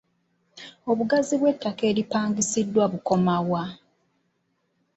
Obugazi bw’ettaka eripangisiddwa bukoma wa?.